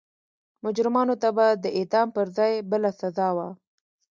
مجرمانو ته به د اعدام پر ځای بله سزا وه.